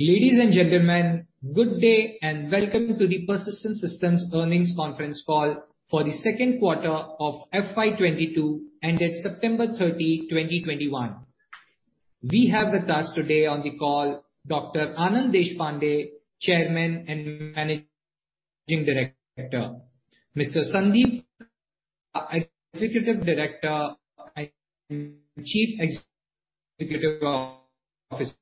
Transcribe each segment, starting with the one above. Ladies and gentlemen, good day and welcome to the Persistent Systems earnings conference call for the second quarter of FY 2022 ended September 30, 2021. We have with us today on the call Dr. Anand Deshpande, Chairman and Managing Director. Mr. Sandeep Kalra, Executive Director and Chief Executive Officer.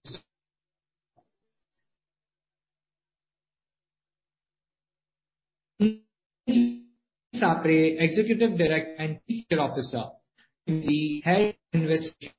Sunil Sapre, Executive Director and Chief Financial Officer, Head Investor Relations.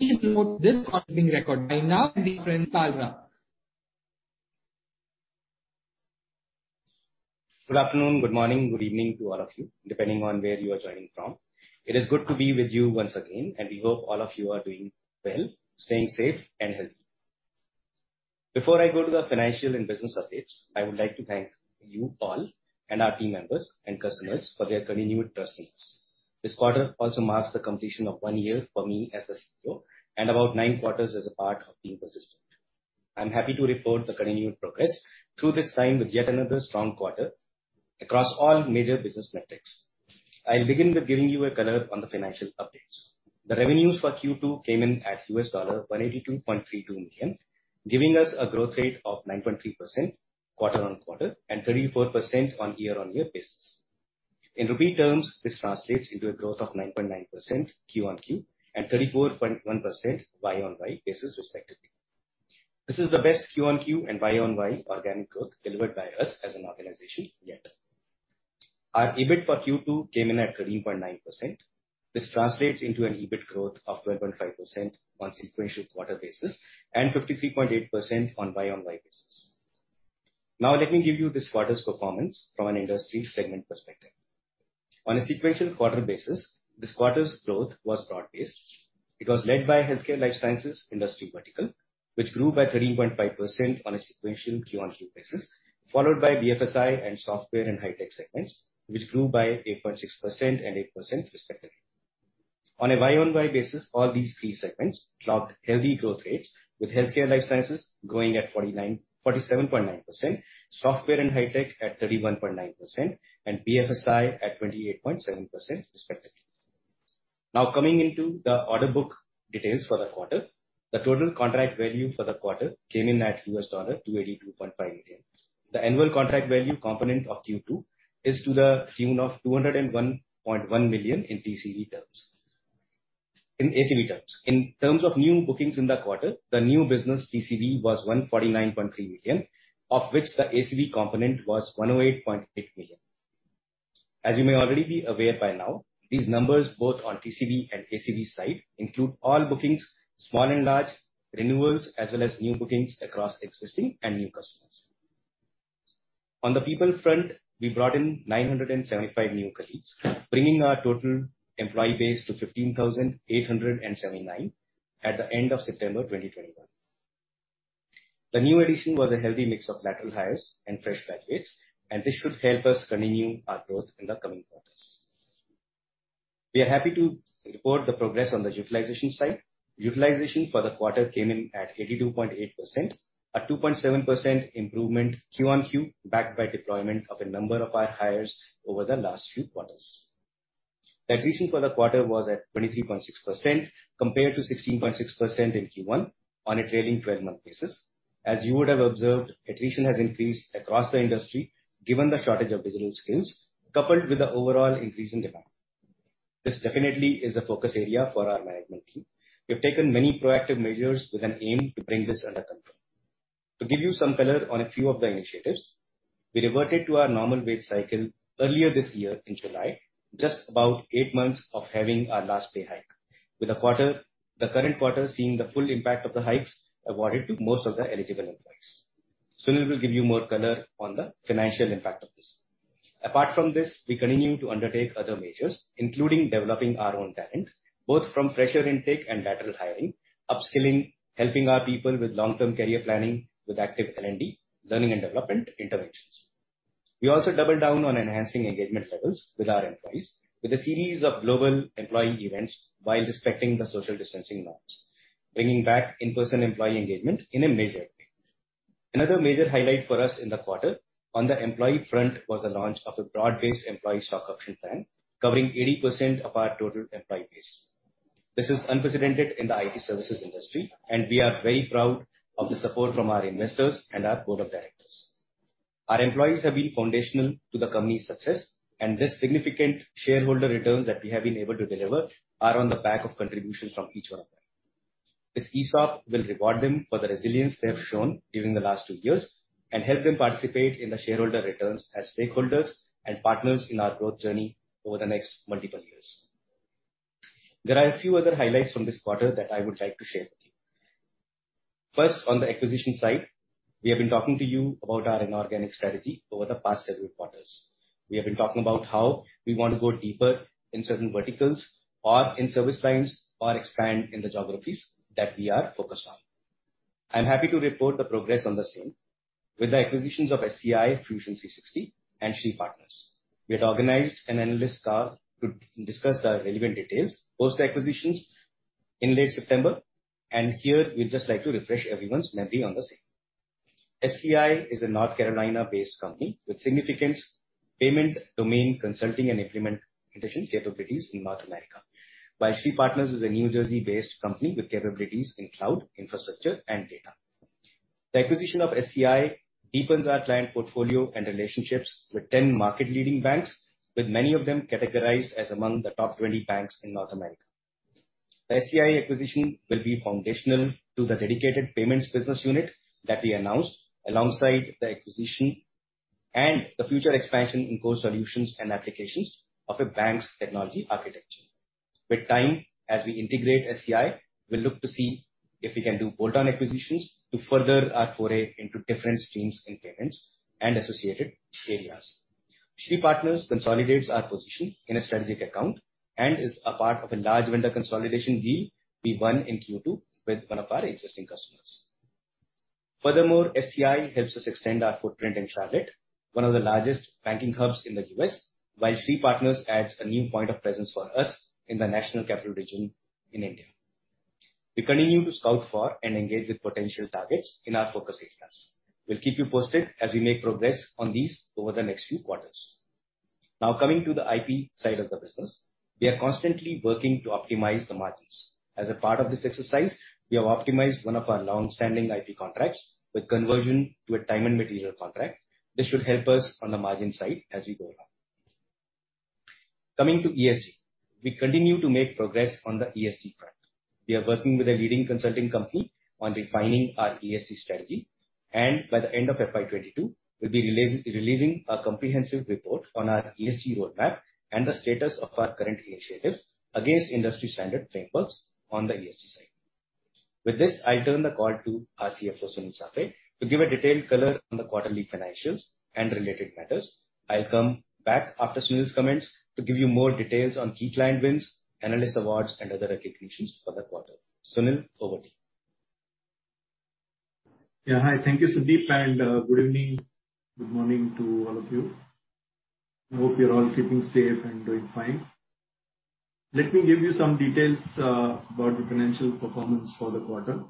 Please note this call is being recorded. I now give you Sandeep. Good afternoon, good morning, good evening to all of you, depending on where you are joining from. It is good to be with you once again, and we hope all of you are doing well, staying safe and healthy. Before I go to the financial and business updates, I would like to thank you all and our team members and customers for their continued trust in us. This quarter also marks the completion of one year for me as the CEO and about nine quarters as a part of team Persistent. I'm happy to report the continued progress through this time with yet another strong quarter across all major business metrics. I'll begin with giving you a color on the financial updates. The revenues for Q2 came in at $182.32 million, giving us a growth rate of 9.3% quarter-on-quarter and 34% on a year-on-year basis. In rupee terms, this translates into a growth of 9.9% Q on Q and 34.1% Y on Y basis, respectively. This is the best Q on Q and Y on Y organic growth delivered by us as an organization yet. Our EBIT for Q2 came in at 3.9%. This translates into an EBIT growth of 12.5% on a sequential quarter basis and 53.8% on Y on Y basis. Now let me give you this quarter's performance from an industry segment perspective. On a sequential quarter basis, this quarter's growth was broad-based. It was led by healthcare life sciences industry vertical, which grew by 3.5% on a sequential Q-o-Q basis, followed by BFSI and software and high-tech segments, which grew by 8.6% and 8% respectively. On a Y-o-Y basis, all these three segments clocked heavy growth rates, with Healthcare life sciences growing at 47.9%, software and high-tech at 31.9%, and BFSI at 28.7% respectively. Now coming into the order book details for the quarter. The total contract value for the quarter came in at $282.5 million. The annual contract value component of Q2 is to the tune of $201.1 million in ACV terms. In terms of new bookings in the quarter, the new business TCV was $149.3 million, of which the ACV component was $108.8 million. As you may already be aware by now, these numbers, both on TCV and ACV side, include all bookings, small and large, renewals, as well as new bookings across existing and new customers. On the people front, we brought in 975 new colleagues, bringing our total employee base to 15,879 at the end of September 2021. The new addition was a healthy mix of lateral hires and fresh graduates, and this should help us continue our growth in the coming quarters. We are happy to report the progress on the utilization side. Utilization for the quarter came in at 82.8%, a 2.7% improvement QoQ, backed by deployment of a number of our hires over the last few quarters. Attrition for the quarter was at 23.6% compared to 16.6% in Q1 on a trailing twelve-month basis. As you would have observed, attrition has increased across the industry given the shortage of digital skills, coupled with the overall increase in demand. This definitely is a focus area for our management team. We have taken many proactive measures with an aim to bring this under control. To give you some color on a few of the initiatives, we reverted to our normal wage cycle earlier this year in July, just about eight months of having our last pay hike. With the quarter. The current quarter seeing the full impact of the hikes awarded to most of the eligible employees. Sunil will give you more color on the financial impact of this. Apart from this, we continue to undertake other measures, including developing our own talent, both from fresher intake and lateral hiring, upskilling, helping our people with long-term career planning with active L&D, learning and development interventions. We also doubled down on enhancing engagement levels with our employees with a series of global employee events while respecting the social distancing norms, bringing back in-person employee engagement in a major way. Another major highlight for us in the quarter on the employee front was the launch of a broad-based employee stock option plan covering 80% of our total employee base. This is unprecedented in the IT services industry, and we are very proud of the support from our investors and our board of directors. Our employees have been foundational to the company's success, and this significant shareholder returns that we have been able to deliver are on the back of contributions from each one of them. This ESOP will reward them for the resilience they have shown during the last two years and help them participate in the shareholder returns as stakeholders and partners in our growth journey over the next multiple years. There are a few other highlights from this quarter that I would like to share with you. First, on the acquisition side, we have been talking to you about our inorganic strategy over the past several quarters. We have been talking about how we want to go deeper in certain verticals or in service lines or expand in the geographies that we are focused on. I'm happy to report the progress on the same with the acquisitions of SCI, Fusion360 and Shree Partners. We had organized an analyst call to discuss the relevant details post the acquisitions in late September, and here we'd just like to refresh everyone's memory on the same. SCI is a North Carolina-based company with significant payment domain consulting and implementation capabilities in North America. While Shree Partners is a New Jersey-based company with capabilities in cloud infrastructure and data. The acquisition of SCI deepens our client portfolio and relationships with 10 market-leading banks, with many of them categorized as among the top 20 banks in North America. The SCI acquisition will be foundational to the dedicated payments business unit that we announced alongside the acquisition and the future expansion in core solutions and applications of a bank's technology architecture. With time, as we integrate SCI, we'll look to see if we can do bolt-on acquisitions to further our foray into different streams and payments and associated areas. Shree Partners consolidates our position in a strategic account and is a part of a large vendor consolidation deal we won in Q2 with one of our existing customers. Furthermore, SCI helps us extend our footprint in Charlotte, one of the largest banking hubs in the U.S. While Shree Partners adds a new point of presence for us in the national capital region in India. We continue to scout for and engage with potential targets in our focus areas. We'll keep you posted as we make progress on these over the next few quarters. Now, coming to the IP side of the business. We are constantly working to optimize the margins. As a part of this exercise, we have optimized one of our long-standing IP contracts with conversion to a time and materials contract. This should help us on the margin side as we go along. Coming to ESG. We continue to make progress on the ESG front. We are working with a leading consulting company on refining our ESG strategy, and by the end of FY 2022, we'll be releasing a comprehensive report on our ESG roadmap and the status of our current initiatives against industry standard frameworks on the ESG side. With this, I turn the call to our CFO, Sunil Sapre, to give a detailed color on the quarterly financials and related matters. I'll come back after Sunil's comments to give you more details on key client wins, analyst awards, and other recognitions for the quarter. Sunil, over to you. Yeah. Hi. Thank you, Sandeep, and good evening, good morning to all of you. I hope you're all keeping safe and doing fine. Let me give you some details about the financial performance for the quarter.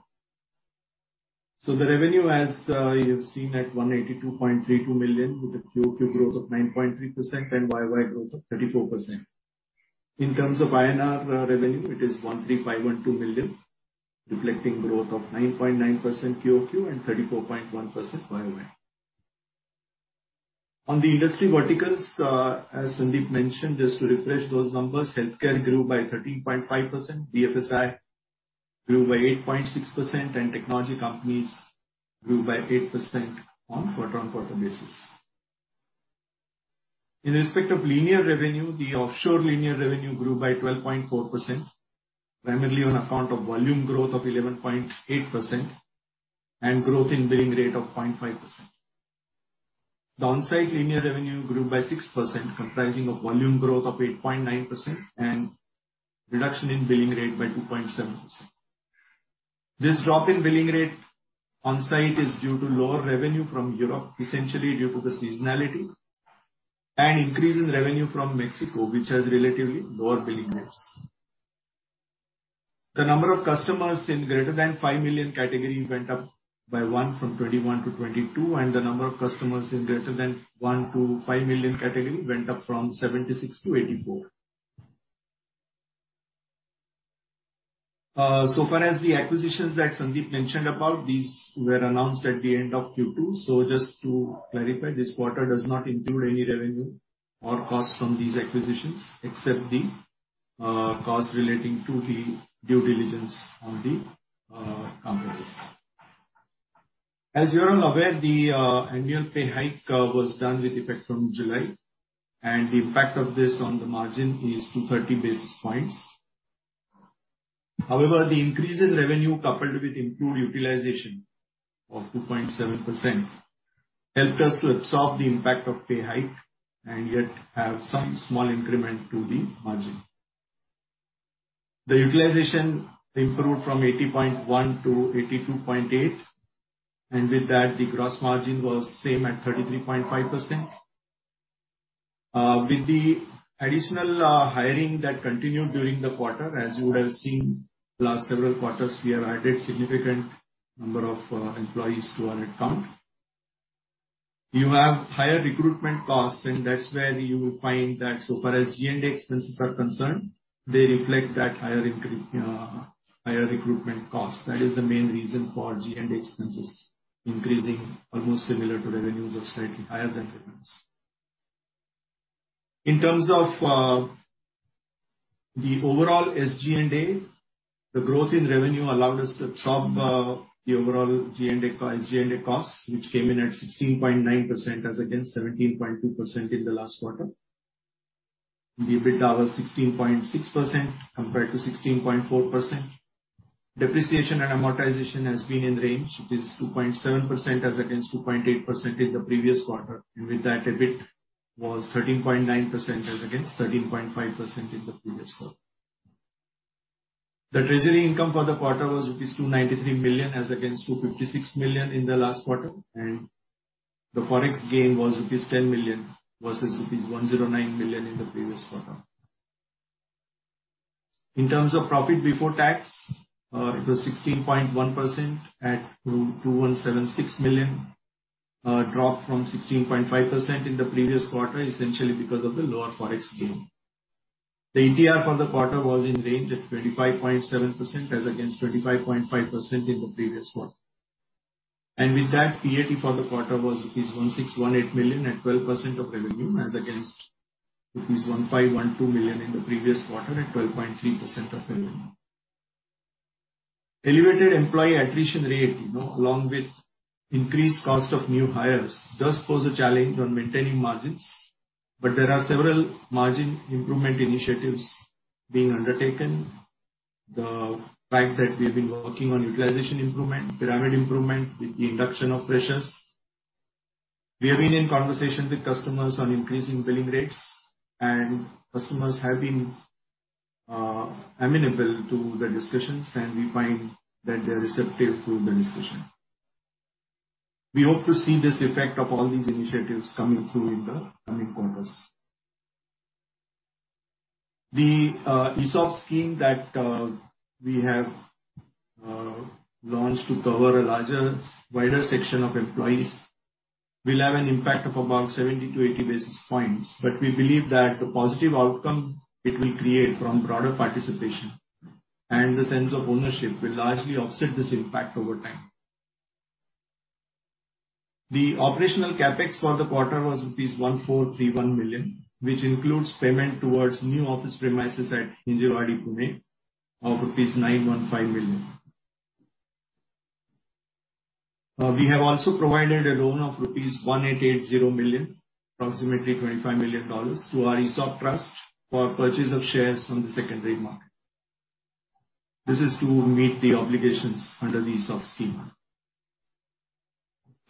The revenue, as you have seen at $182.32 million, with a QOQ growth of 9.3% and YOY growth of 34%. In terms of INR, revenue, it is 1,351.2 million, reflecting growth of 9.9% QOQ and 34.1% YOY. On the industry verticals, as Sandeep mentioned, just to refresh those numbers, healthcare grew by 13.5%, BFSI grew by 8.6%, and technology companies grew by 8% on quarter-on-quarter basis. In respect of linear revenue, the offshore linear revenue grew by 12.4%, primarily on account of volume growth of 11.8% and growth in billing rate of 0.5%. The onsite linear revenue grew by 6%, comprising of volume growth of 8.9% and reduction in billing rate by 2.7%. This drop in billing rate onsite is due to lower revenue from Europe, essentially due to the seasonality and increase in revenue from Mexico, which has relatively lower billing rates. The number of customers in greater than $5 million category went up by one from 21 to 22, and the number of customers in greater than $1 million to $5 million category went up from 76 to 84. So far as the acquisitions that Sandeep mentioned about, these were announced at the end of Q2. Just to clarify, this quarter does not include any revenue or costs from these acquisitions, except the cost relating to the due diligence on the companies. As you're all aware, the annual pay hike was done with effect from July, and the impact of this on the margin is 230 basis points. However, the increase in revenue coupled with improved utilization of 2.7% helped us to absorb the impact of pay hike and yet have some small increment to the margin. The utilization improved from 80.1% to 82.8%, and with that the gross margin was same at 33.5%. With the additional hiring that continued during the quarter, as you would have seen the last several quarters, we have added significant number of employees to our account. You have higher recruitment costs, and that's where you will find that so far as G&A expenses are concerned, they reflect that higher recruitment cost. That is the main reason for G&A expenses increasing almost similar to revenues or slightly higher than revenues. In terms of the overall SG&A, the growth in revenue allowed us to absorb the overall SG&A costs, which came in at 16.9% as against 17.2% in the last quarter. The EBITDA was 16.6% compared to 16.4%. Depreciation and amortization has been in range, 2.7% as against 2.8% in the previous quarter. With that, EBIT was 13.9% as against 13.5% in the previous quarter. The treasury income for the quarter was rupees 293 million as against 256 million in the last quarter, and the Forex gain was rupees 10 million versus rupees 109 million in the previous quarter. In terms of profit before tax, it was 16.1% at 2,176 million, a drop from 16.5% in the previous quarter, essentially because of the lower Forex gain. The ETR for the quarter was in range at 25.7% as against 25.5% in the previous quarter. With that, PAT for the quarter was 1,618 million at 12% of revenue as against 1,512 million in the previous quarter at 12.3% of revenue. Elevated employee attrition rate, you know, along with increased cost of new hires does pose a challenge on maintaining margins, but there are several margin improvement initiatives being undertaken. The fact that we have been working on utilization improvement, pyramid improvement with the induction of freshers, we have been in conversation with customers on increasing billing rates, and customers have been amenable to the discussions, and we find that they're receptive to the discussion. We hope to see this effect of all these initiatives coming through in the coming quarters. The ESOP scheme that we have launched to cover a larger, wider section of employees will have an impact of about 70-80 basis points. We believe that the positive outcome it will create from broader participation and the sense of ownership will largely offset this impact over time. The operational CapEx for the quarter was rupees 143.1 million, which includes payment towards new office premises at Hinjewadi, Pune of rupees 91.5 million. We have also provided a loan of rupees 188.0 million, approximately $25 million, to our ESOP trust for purchase of shares from the secondary market. This is to meet the obligations under the ESOP scheme.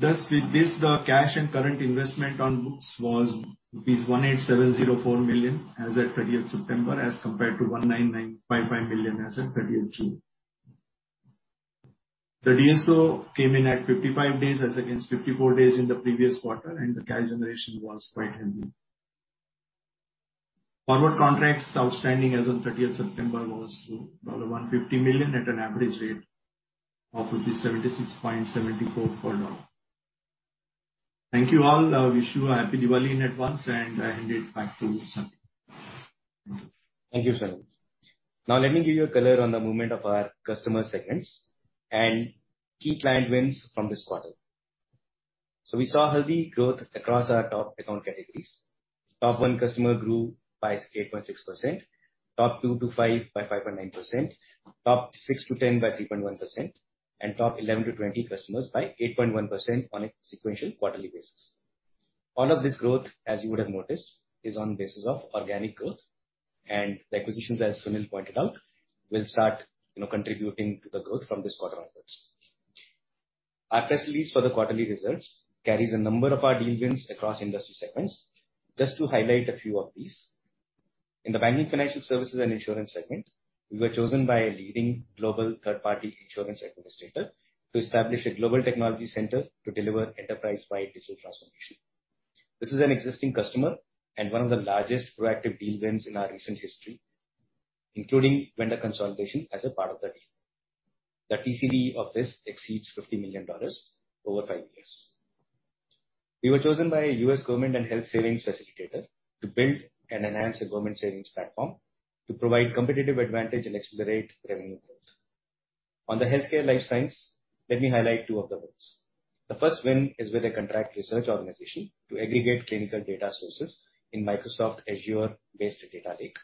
Thus, with this, the cash and current investment on books was rupees 1,870.4 million as at 30th September as compared to 1,995.5 million as at thirtieth June. The DSO came in at 55 days as against 54 days in the previous quarter and the cash generation was quite healthy. Forward contracts outstanding as on 30th September was $150 million at an average rate of 76.74 per dollar. Thank you all. I wish you a happy Diwali in advance, and I hand it back to Sandeep. Thank you. Thank you, Sunil. Now let me give you a color on the movement of our customer segments and key client wins from this quarter. We saw healthy growth across our top account categories. Top 1 customer grew by 8.6%, top 2-5 by 5.9%, top 6-10 by 3.1%, and top 11-20 customers by 8.1% on a sequential quarterly basis. All of this growth, as you would have noticed, is on basis of organic growth. The acquisitions, as Sunil pointed out, will start, you know, contributing to the growth from this quarter onwards. Our press release for the quarterly results carries a number of our deal wins across industry segments. Just to highlight a few of these. In the banking, financial services and insurance segment, we were chosen by a leading global third-party insurance administrator to establish a global technology center to deliver enterprise-wide digital transformation. This is an existing customer and one of the largest proactive deal wins in our recent history, including vendor consolidation as a part of the deal. The TCV of this exceeds $50 million over five years. We were chosen by a U.S. government and health savings facilitator to build and enhance a government savings platform to provide competitive advantage and accelerate revenue growth. On the healthcare life science, let me highlight two of the wins. The first win is with a contract research organization to aggregate clinical data sources in Microsoft Azure-based data lake.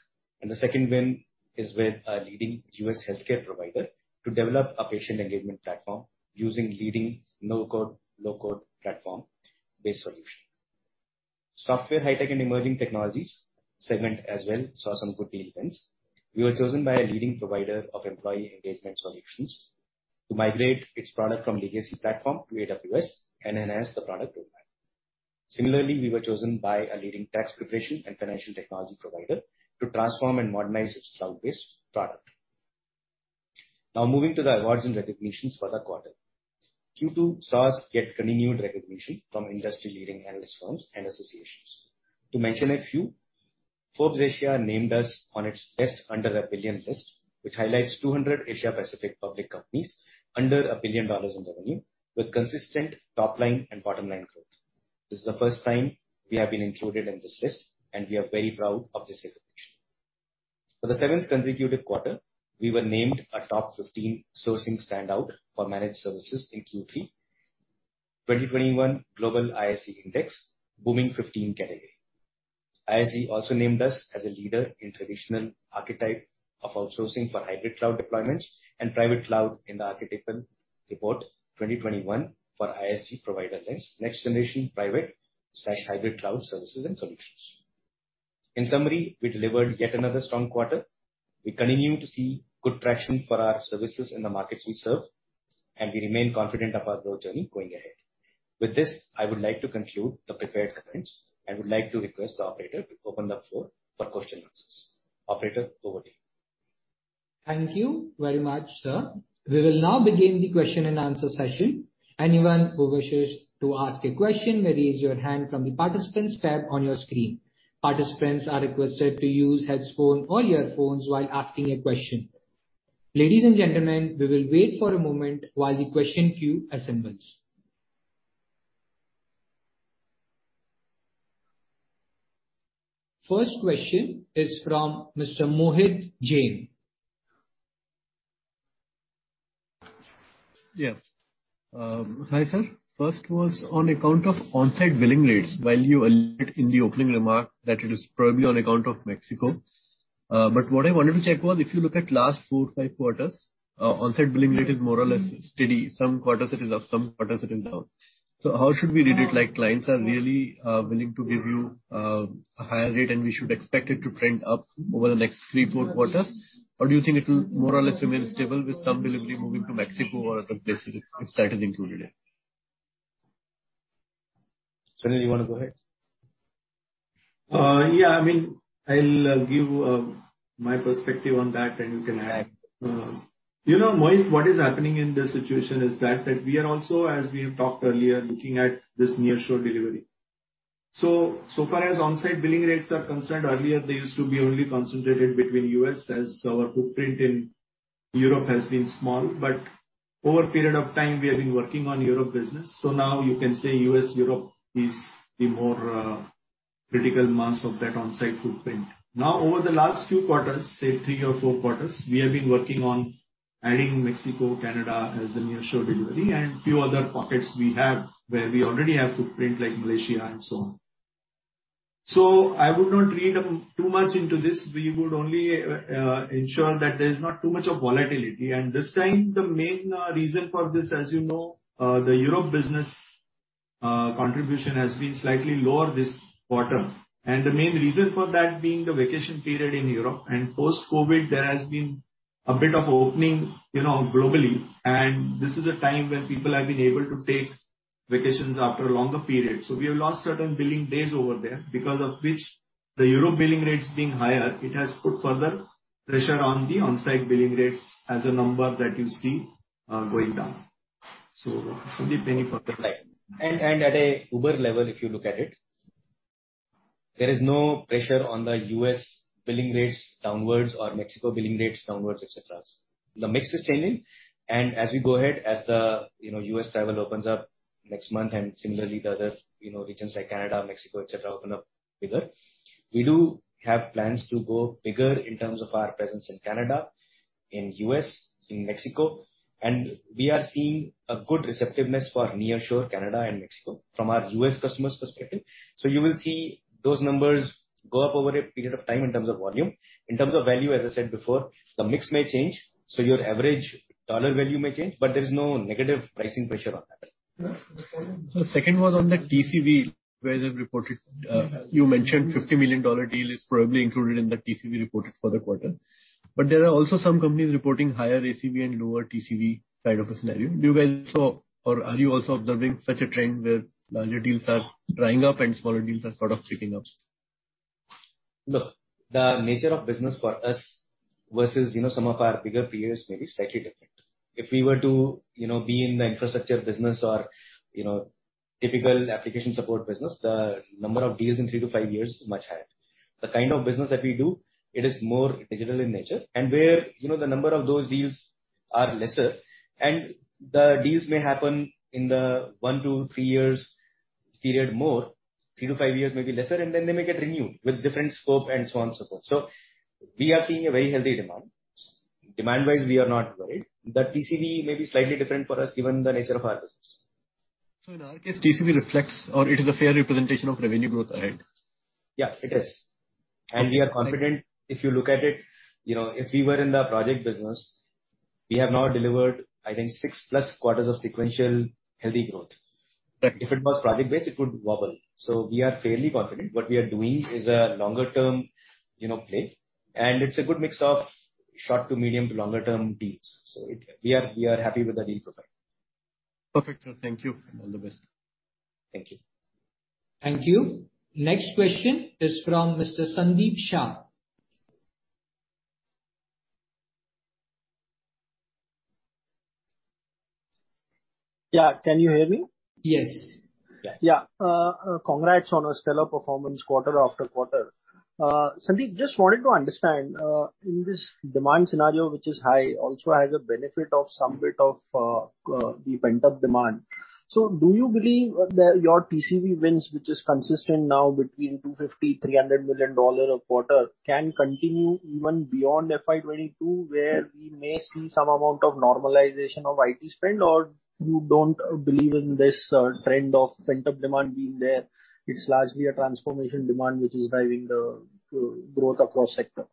The second win is with a leading U.S. healthcare provider to develop a patient engagement platform using leading no-code, low-code platform-based solution. Software, high tech, and emerging technologies segment as well saw some good deal wins. We were chosen by a leading provider of employee engagement solutions to migrate its product from legacy platform to AWS and enhance the product roadmap. Similarly, we were chosen by a leading tax preparation and financial technology provider to transform and modernize its cloud-based product. Now moving to the awards and recognitions for the quarter. Q2 saw us get continued recognition from industry-leading analyst firms and associations. To mention a few, Forbes Asia named us on its Best Under A Billion list, which highlights 200 Asia-Pacific public companies under a billion dollars in revenue with consistent top-line and bottom-line growth. This is the first time we have been included in this list, and we are very proud of this recognition. For the seventh consecutive quarter, we were named a top 15 sourcing standout for managed services in Q3 2021 Global ISG Index Booming 15 category. ISG also named us as a leader in traditional archetype of outsourcing for hybrid cloud deployments and private cloud in the Archetype Report 2021 for ISG provider-led next generation private/hybrid cloud services and solutions. In summary, we delivered yet another strong quarter. We continue to see good traction for our services in the markets we serve, and we remain confident of our growth journey going ahead. With this, I would like to conclude the prepared comments. I would like to request the operator to open the floor for question answers. Operator, over to you. Thank you very much, sir. We will now begin the Q&A session. Anyone who wishes to ask a question may raise your hand from the Participants tab on your screen. Participants are requested to use headphones or earphones while asking a question. Ladies and gentlemen, we will wait for a moment while the question queue assembles. First question is from Mr. Mohit Jain. Hi, sir. First was on account of on-site billing rates, while you alluded in the opening remark that it is probably on account of Mexico. But what I wanted to check was if you look at last four, five quarters, on-site billing rate is more or less steady. Some quarters it is up, some quarters it is down. How should we read it? Like, clients are really willing to give you a higher rate, and we should expect it to trend up over the next three, four quarters? Or do you think it will more or less remain stable with some billing moving to Mexico or other places if that is included? Sandeep, you wanna go ahead? Yeah. I mean, I'll give my perspective on that, and you can add. You know, Mohit, what is happening in this situation is that we are also, as we have talked earlier, looking at this nearshore delivery. So far as on-site billing rates are concerned, earlier they used to be only concentrated in the U.S. as our footprint in Europe has been small. But over a period of time we have been working on Europe business. So now you can say U.S./Europe is the more critical mass of that on-site footprint. Now, over the last few quarters, say three or four quarters, we have been working on adding Mexico, Canada as the nearshore delivery and few other pockets we have where we already have footprint like Malaysia and so on. So I would not read too much into this. We would only ensure that there's not too much of volatility. This time the main reason for this, as you know, the Europe business contribution has been slightly lower this quarter. The main reason for that being the vacation period in Europe. Post-COVID there has been a bit of opening, you know, globally. This is a time when people have been able to take vacations after a longer period. We have lost certain billing days over there because of which the Europe billing rates being higher, it has put further pressure on the on-site billing rates as a number that you see going down. Sandeep, any further light? At a high level, if you look at it, there is no pressure on the U.S. billing rates downwards or Mexico billing rates downwards, et cetera. The mix is changing, and as we go ahead, as the, you know, U.S. travel opens up next month, and similarly the other, you know, regions like Canada, Mexico, et cetera, open up bigger. We do have plans to go bigger in terms of our presence in Canada, in U.S., in Mexico, and we are seeing a good receptiveness for nearshore Canada and Mexico from our U.S. customers' perspective. You will see those numbers go up over a period of time in terms of volume. In terms of value, as I said before, the mix may change, so your average dollar value may change, but there is no negative pricing pressure on that. The second was on the TCV where the reported you mentioned $50 million deal is probably included in the TCV reported for the quarter. There are also some companies reporting higher ACV and lower TCV side of the scenario. Do you guys saw or are you also observing such a trend where larger deals are drying up and smaller deals are sort of picking up? Look, the nature of business for us versus, you know, some of our bigger peers may be slightly different. If we were to, you know, be in the infrastructure business or, you know, typical application support business, the number of deals in three to five years is much higher. The kind of business that we do, it is more digital in nature and where, you know, the number of those deals are lesser and the deals may happen in the one to three years period more, three to five years maybe lesser, and then they may get renewed with different scope and so on, so forth. We are seeing a very healthy demand. Demand-wise, we are not worried. The TCV may be slightly different for us given the nature of our business. In our case, TCV reflects or it is a fair representation of revenue growth ahead? Yeah, it is. We are confident, if you look at it, you know, if we were in the project business, we have now delivered I think 6+ quarters of sequential healthy growth. Right. If it was project-based, it would wobble. We are fairly confident. What we are doing is a longer term, you know, play, and it's a good mix of short to medium to longer term deals. We are happy with the deal profile. Perfect. Thank you. All the best. Thank you. Thank you. Next question is from Mr. Sandeep Shah. Yeah. Can you hear me? Yes. Yeah. Congrats on a stellar performance quarter after quarter. Sandeep, just wanted to understand, in this demand scenario, which is high, also has a benefit of some bit of, the pent-up demand. Do you believe that your TCV wins, which is consistent now between $250 million and $300 million a quarter, can continue even beyond FY 2022, where we may see some amount of normalization of IT spend? Or you don't believe in this, trend of pent-up demand being there, it's largely a transformation demand which is driving the growth across sector?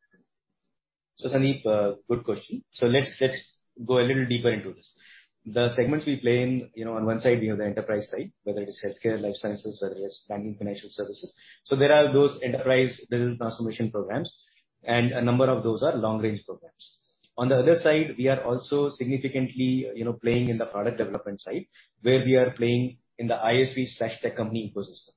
Sandeep, good question. Let's go a little deeper into this. The segments we play in, you know, on one side, we have the enterprise side, whether it is healthcare, life sciences, whether it is banking, financial services. There are those enterprise digital transformation programs, and a number of those are long-range programs. On the other side, we are also significantly, you know, playing in the product development side, where we are playing in the ISV slash tech company ecosystem.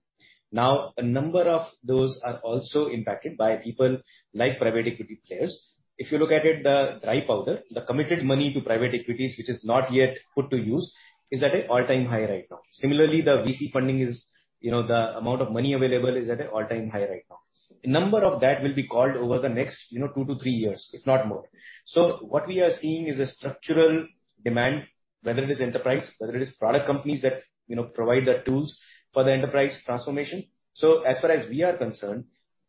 Now, a number of those are also impacted by people like private equity players. If you look at it, the dry powder, the committed money to private equities which is not yet put to use, is at an all-time high right now. Similarly, the VC funding is, you know, the amount of money available is at an all-time high right now. A number of that will be called over the next, you know, two to three years, if not more. What we are seeing is a structural demand, whether it is enterprise, whether it is product companies that, you know, provide the tools for the enterprise transformation. As far as we are concerned,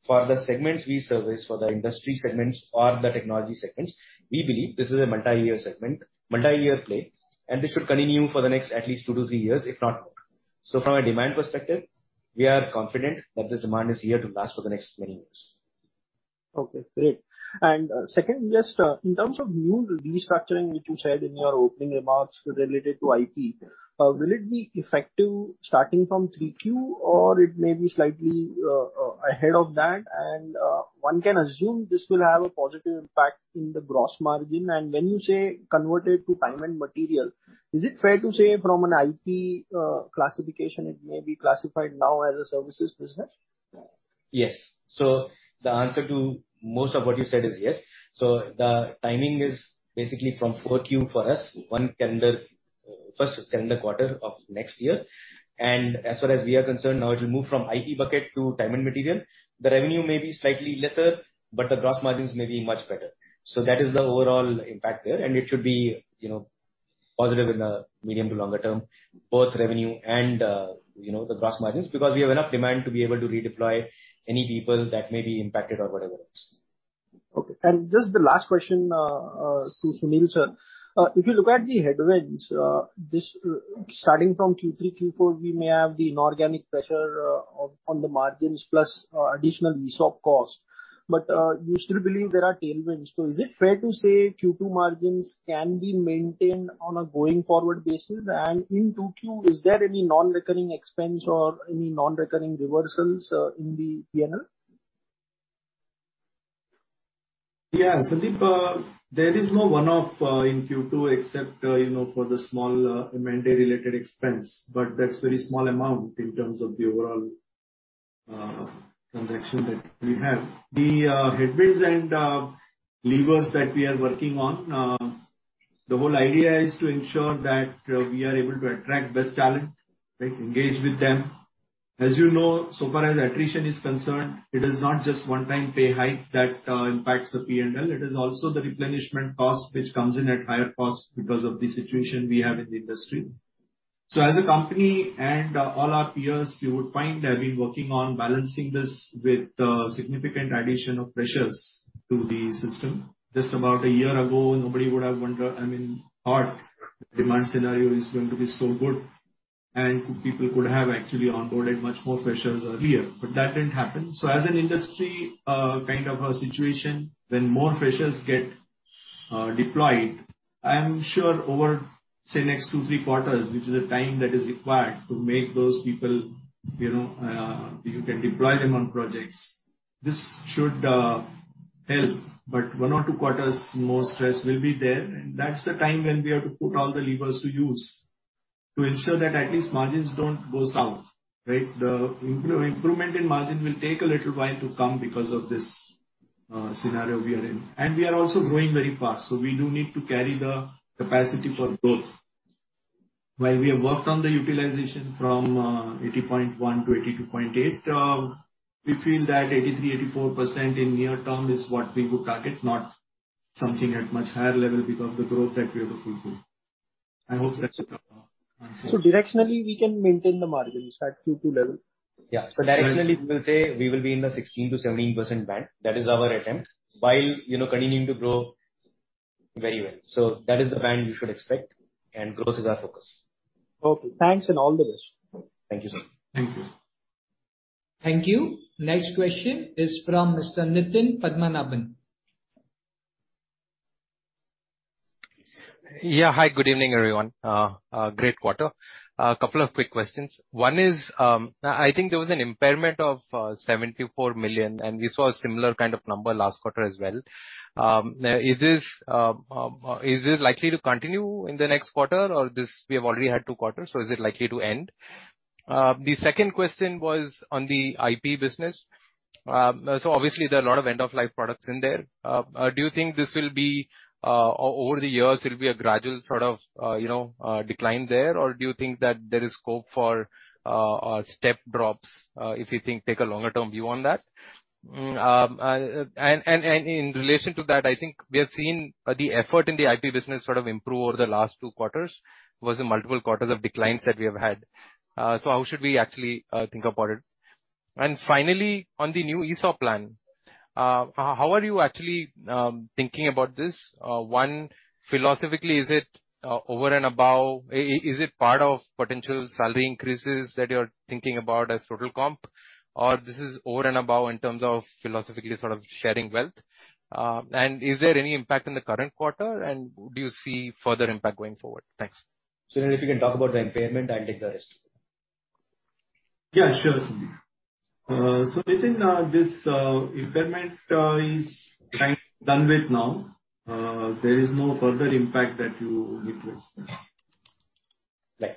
for the segments we service, for the industry segments or the technology segments, we believe this is a multi-year segment, multi-year play, and this should continue for the next at least two to three years, if not more. From a demand perspective, we are confident that the demand is here to last for the next many years. Okay, great. Second, just, in terms of new restructuring, which you said in your opening remarks related to IT, will it be effective starting from 3Q, or it may be slightly ahead of that? One can assume this will have a positive impact in the gross margin. When you say convert it to time and material, is it fair to say from an IT classification, it may be classified now as a services business? Yes. The answer to most of what you said is yes. The timing is basically from 4Q for us, first calendar quarter of next year. As far as we are concerned now, it will move from IT bucket to time and materials. The revenue may be slightly lesser, but the gross margins may be much better. That is the overall impact there, and it should be, you know, positive in the medium to longer term, both revenue and, you know, the gross margins. Because we have enough demand to be able to redeploy any people that may be impacted or whatever else. Okay. Just the last question to Sunil, sir. If you look at the headwinds starting from Q3, Q4, we may have the inorganic pressure on the margins plus additional ESOP cost. You still believe there are tailwinds. Is it fair to say Q2 margins can be maintained on a going forward basis? In 2Q, is there any non-recurring expense or any non-recurring reversals in the P&L? Yeah. Sandeep, there is no one-off in Q2 except, you know, for the small M&A related expense, but that's very small amount in terms of the overall transaction that we have. The headwinds and levers that we are working on, the whole idea is to ensure that we are able to attract best talent, right? Engage with them. As you know, so far as attrition is concerned, it is not just one time pay hike that impacts the P&L. It is also the replenishment cost, which comes in at higher cost because of the situation we have in the industry. As a company and all our peers, you would find have been working on balancing this with significant addition of freshers to the system. Just about a year ago, nobody would have, I mean, our demand scenario is going to be so good and people could have actually onboarded much more freshers earlier, but that didn't happen. As an industry, kind of a situation, when more freshers get deployed, I am sure over, say, next two, three quarters, which is a time that is required to make those people, you know, you can deploy them on projects. This should help. One or two quarters, more stress will be there, and that's the time when we have to put all the levers to use to ensure that at least margins don't go south, right? The improvement in margins will take a little while to come because of this scenario we are in. We are also growing very fast, so we do need to carry the capacity for growth. While we have worked on the utilization from 80.1 to 82.8, we feel that 83%-84% in near term is what we would target, not something at much higher level because of the growth that we have to fulfill. I hope that's a clear answer. Directionally, we can maintain the margins at Q2 level? Yeah. Directionally, we will say we will be in the 16%-17% band. That is our attempt, while, you know, continuing to grow very well. That is the band you should expect, and growth is our focus. Okay. Thanks and all the best. Thank you, sir. Thank you. Thank you. Next question is from Mr. Nitin Padmanabhan. Yeah. Hi, good evening, everyone. Great quarter. A couple of quick questions. One is, I think there was an impairment of 74 million, and we saw a similar kind of number last quarter as well. Is this likely to continue in the next quarter? Or we have already had two quarters, so is it likely to end? The second question was on the IP business. Obviously there are a lot of end-of-life products in there. Do you think this will be, over the years, it'll be a gradual sort of, you know, decline there? Or do you think that there is scope for step drops, if you think take a longer term view on that? In relation to that, I think we have seen the effort in the IP business sort of improve over the last two quarters. Versus multiple quarters of declines that we have had. How should we actually think about it? Finally, on the new ESOP plan, how are you actually thinking about this? One, philosophically, is it over and above? Is it part of potential salary increases that you're thinking about as total comp, or this is over and above in terms of philosophically sort of sharing wealth? Is there any impact in the current quarter, and do you see further impact going forward? Thanks. Sunil, if you can talk about the impairment, I'll take the rest. Yeah, sure, Sandeep. I think this impairment is kind of done with now. There is no further impact that you need to expect. Right.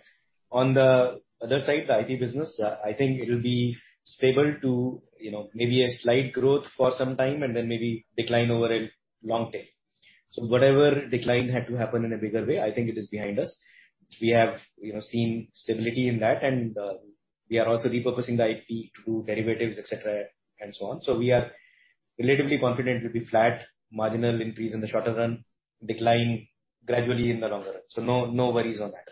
On the other side, the IT business, I think it'll be stable to, you know, maybe a slight growth for some time and then maybe decline over a long term. Whatever decline had to happen in a bigger way, I think it is behind us. We have, you know, seen stability in that, and we are also repurposing the IT to derivatives, et cetera, and so on. We are relatively confident it'll be flat, marginal increase in the shorter run, decline gradually in the longer run. No, no worries on that.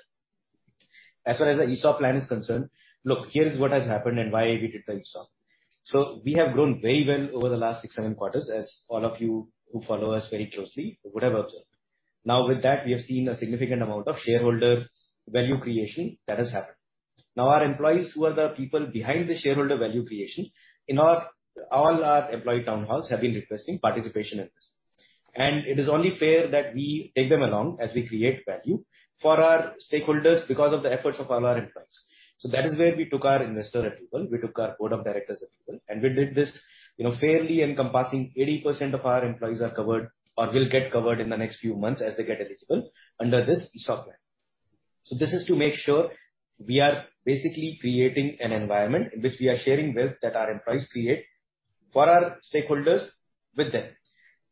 As far as the ESOP plan is concerned, look, here is what has happened and why we did the ESOP. We have grown very well over the last six, seven quarters, as all of you who follow us very closely would have observed. Now, with that we have seen a significant amount of shareholder value creation that has happened. Now, our employees, who are the people behind the shareholder value creation, in all our employee town halls have been requesting participation in this. It is only fair that we take them along as we create value for our stakeholders because of the efforts of all our employees. That is where we took our investor approval, we took our board of directors approval, and we did this, you know, fairly encompassing 80% of our employees are covered or will get covered in the next few months as they get eligible under this ESOP plan. This is to make sure we are basically creating an environment in which we are sharing wealth that our employees create for our stakeholders with them.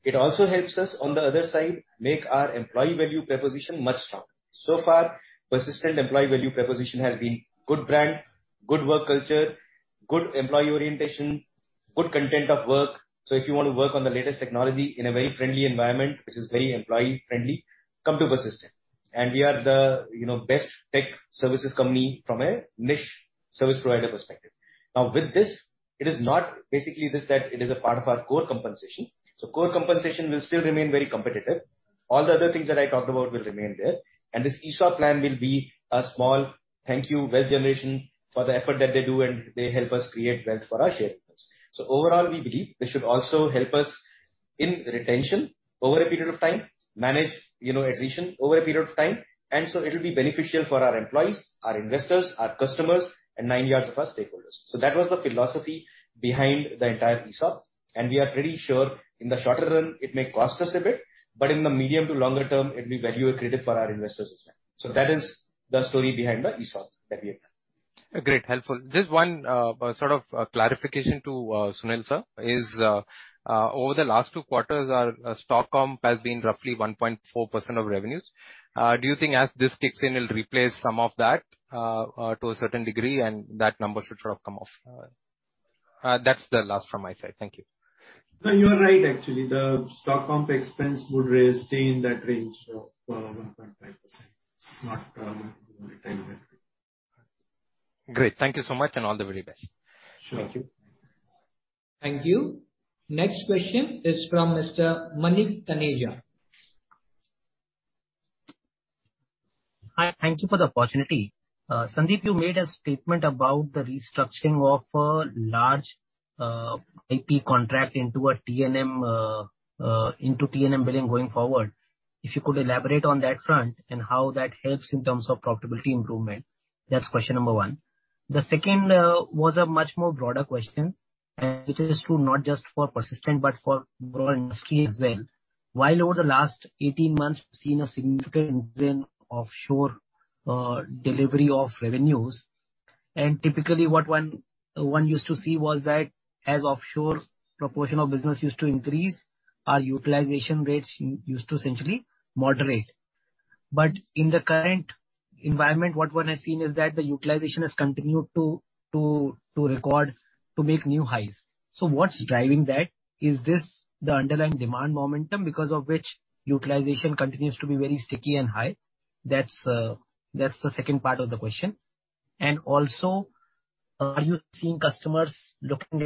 It also helps us, on the other side, make our employee value proposition much stronger. So far, Persistent employee value proposition has been good brand, good work culture, good employee orientation, good content of work. If you want to work on the latest technology in a very friendly environment, which is very employee-friendly, come to Persistent. We are the, you know, best tech services company from a niche service provider perspective. Now with this, it is not basically this that it is a part of our core compensation. Core compensation will still remain very competitive. All the other things that I talked about will remain there. This ESOP plan will be a small thank you wealth generation for the effort that they do and they help us create wealth for our shareholders. Overall, we believe this should also help us in retention over a period of time, manage, you know, attrition over a period of time. It'll be beneficial for our employees, our investors, our customers, and the whole nine yards of our stakeholders. That was the philosophy behind the entire ESOP. We are pretty sure in the shorter run it may cost us a bit, but in the medium to longer term it'll be value accretive for our investors as well. That is the story behind the ESOP that we have. Great, helpful. Just one sort of clarification to Sunil sir is over the last two quarters, our stock comp has been roughly 1.4% of revenues. Do you think as this kicks in, it'll replace some of that to a certain degree and that number should sort of come off? That's the last from my side. Thank you. No, you are right, actually. The stock comp expense would stay in that range of 1.5%. It's not return. Great. Thank you so much, and all the very best. Sure. Thank you. Thank you. Next question is from Mr. Manik Taneja. Hi. Thank you for the opportunity. Sandeep, you made a statement about the restructuring of a large IP contract into a T&M into T&M billing going forward. If you could elaborate on that front and how that helps in terms of profitability improvement. That's question number one. The second was a much more broader question, and it is true not just for Persistent but for broader industry as well. While over the last 18 months we've seen a significant increase in offshore delivery of revenues, and typically what one used to see was that as offshore proportion of business used to increase, our utilization rates used to essentially moderate. In the current environment, what one has seen is that the utilization has continued to make new highs. What's driving that? Is this the underlying demand momentum because of which utilization continues to be very sticky and high? That's the second part of the question. Are you seeing customers looking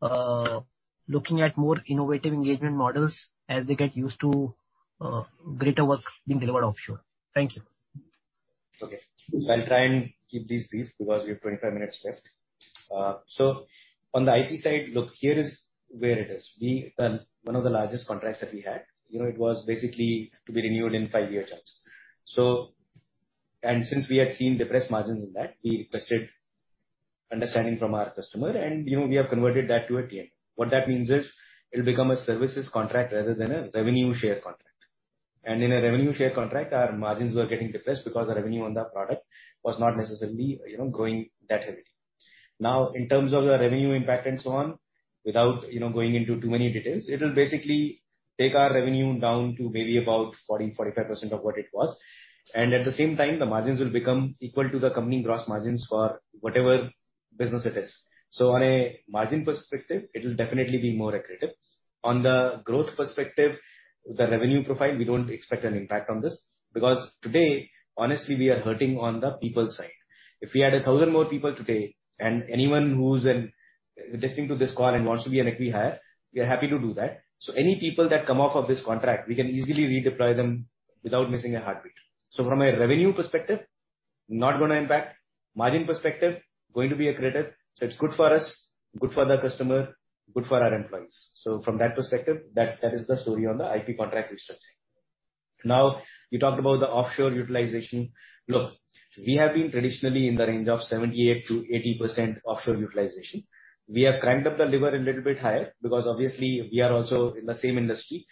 at more innovative engagement models as they get used to greater work being delivered offshore? Thank you. Okay. I'll try and keep this brief because we have 25 minutes left. One of the largest contracts that we had, you know, it was basically to be renewed in five-year terms. Since we had seen depressed margins in that, we requested understanding from our customer and, you know, we have converted that to a T&M. What that means is it'll become a services contract rather than a revenue share contract. In a revenue share contract, our margins were getting depressed because the revenue on that product was not necessarily, you know, growing that heavily. Now, in terms of the revenue impact and so on, without, you know, going into too many details, it'll basically take our revenue down to maybe about 40%-45% of what it was. At the same time, the margins will become equal to the company gross margins for whatever business it is. On a margin perspective, it'll definitely be more accretive. On the growth perspective, the revenue profile, we don't expect an impact on this because today, honestly, we are hurting on the people side. If we add 1,000 more people today and anyone who's listening to this call and wants to be an acqui-hire, we are happy to do that. Any people that come off of this contract, we can easily redeploy them without missing a heartbeat. From a revenue perspective, not gonna impact. Margin perspective, going to be accretive. It's good for us, good for the customer, good for our employees. From that perspective, that is the story on the IT contract restructuring. Now, you talked about the offshore utilization. Look, we have been traditionally in the range of 78%-80% offshore utilization. We have cranked up the lever a little bit higher because obviously we are also in the same industry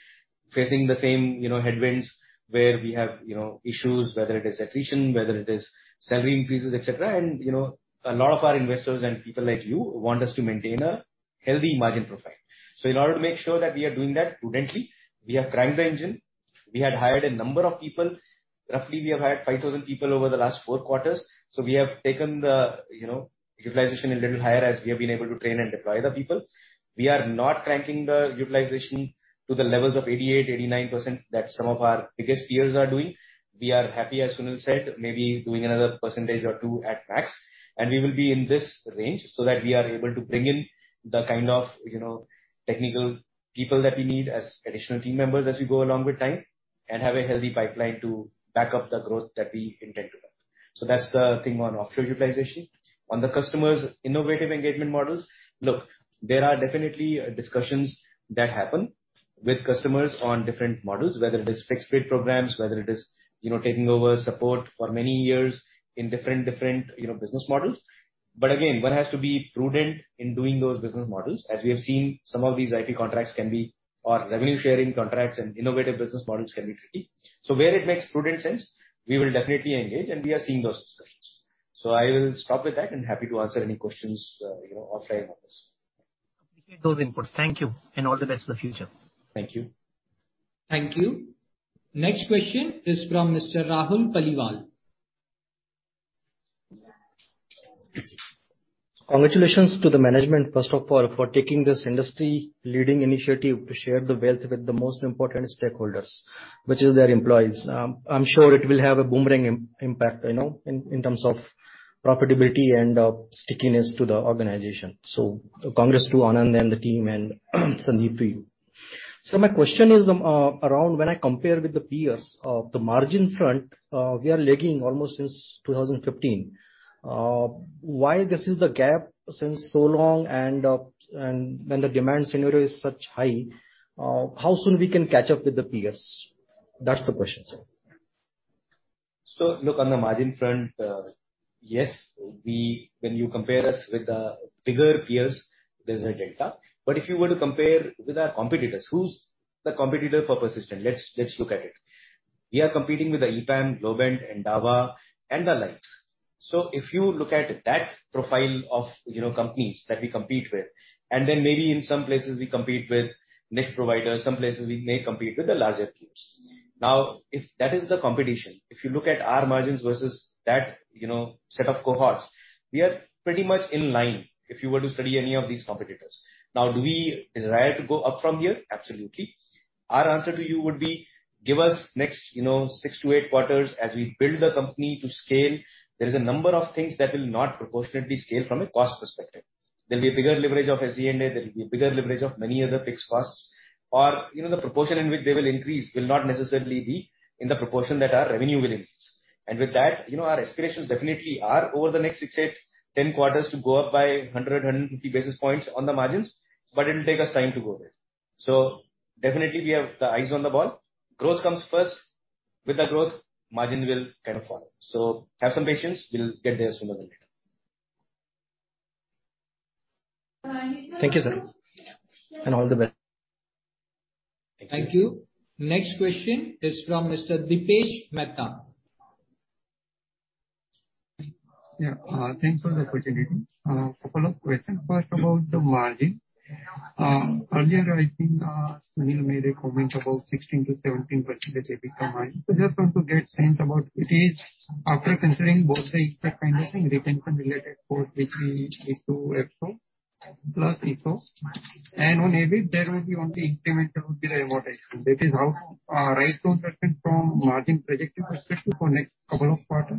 facing the same, you know, headwinds where we have, you know, issues, whether it is attrition, whether it is salary increases, et cetera. You know, a lot of our investors and people like you want us to maintain a healthy margin profile. In order to make sure that we are doing that prudently, we have cranked the engine. We had hired a number of people. Roughly, we have hired 5,000 people over the last four quarters. We have taken the, you know, utilization a little higher as we have been able to train and deploy the people. We are not cranking the utilization to the levels of 88%, 89% that some of our biggest peers are doing. We are happy, as Sunil said, maybe doing another 1% or 2% at max, and we will be in this range so that we are able to bring in the kind of, you know, technical people that we need as additional team members as we go along with time and have a healthy pipeline to back up the growth that we intend to have. That's the thing on offshore utilization. On the customers' innovative engagement models, look, there are definitely discussions that happen with customers on different models, whether it is fixed bid programs, whether it is, you know, taking over support for many years in different, you know, business models. Again, one has to be prudent in doing those business models. Revenue-sharing contracts and innovative business models can be tricky. Where it makes prudent sense, we will definitely engage, and we are seeing those discussions. I will stop with that and happy to answer any questions, you know, offline on this. Appreciate those inputs. Thank you, and all the best for the future. Thank you. Thank you. Next question is from Mr. Rahul Paliwal. Congratulations to the management, first of all, for taking this industry-leading initiative to share the wealth with the most important stakeholders, which is their employees. I'm sure it will have a boomerang impact, you know, in terms of profitability and stickiness to the organization. Congrats to Anand and the team and Sandeep, to you. My question is around when I compare with the peers, the margin front, we are lagging almost since 2015. Why this is the gap since so long and when the demand scenario is such high, how soon we can catch up with the peers? That's the question, sir. Look, on the margin front, yes. When you compare us with the bigger peers, there's a delta. If you were to compare with our competitors, who's the competitor for Persistent? Let's look at it. We are competing with the EPAM, Globant, Endava, and the likes. If you look at that profile of, you know, companies that we compete with, and then maybe in some places we compete with niche providers, some places we may compete with the larger peers. Now, if that is the competition, if you look at our margins versus that, you know, set of cohorts, we are pretty much in line if you were to study any of these competitors. Now, do we desire to go up from here? Absolutely. Our answer to you would be, give us next, you know, six to eight quarters as we build the company to scale. There is a number of things that will not proportionately scale from a cost perspective. There'll be a bigger leverage of SG&A, there'll be a bigger leverage of many other fixed costs or, you know, the proportion in which they will increase will not necessarily be in the proportion that our revenue will increase. With that, you know, our aspirations definitely are over the next six, eight, 10 quarters to go up by 100 basis points-150 basis points on the margins, but it'll take us time to go there. Definitely we have the eyes on the ball. Growth comes first. With the growth, margin will kind of follow. Have some patience. We'll get there sooner than later. Thank you, sir, and all the best. Thank you. Thank you. Next question is from Mr. Dipesh Mehta. Yeah. Thanks for the opportunity. Couple of questions. First, about the margin. Earlier I think, Sunil made a comment about 16%-17% EBITDA margin. Just want to get sense about it is after considering both the expected kind of thing, retention related cost between H2, H4 plus ESOP. On EBIT, there will be only incremental, would be the amortization. That is how right perspective from margin projection perspective for next couple of quarter.